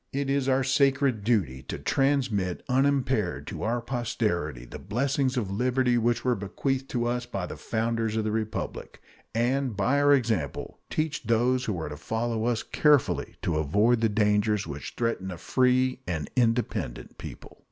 It is our sacred duty to transmit unimpaired to our posterity the blessings of liberty which were bequeathed to us by the founders of the Republic. and by our example teach those who are to follow us carefully to avoid the dangers which threaten a free and independent people.